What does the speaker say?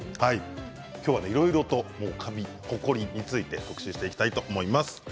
今日は、いろいろとカビほこりについて特集していきたいと思います。